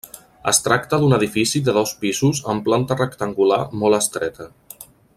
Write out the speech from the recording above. Es tracta d'un edifici de dos pisos amb planta rectangular molt estreta.